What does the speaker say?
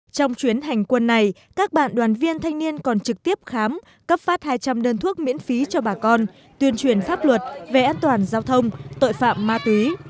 trong chuyến hành quân này các bạn đoàn viên thanh niên còn trực tiếp khám cấp phát hai trăm linh đơn thuốc miễn phí cho bà con tuyên truyền pháp luật về an toàn giao thông tội phạm ma túy